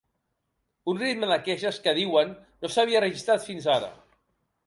Un ritme de queixes que, diuen, no s’havia registrat fins ara.